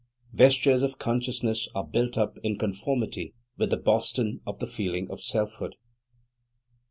Vestures of consciousness are built up in conformity with the Boston of the feeling of selfhood.